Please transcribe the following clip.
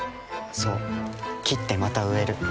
そう切ってまた植える。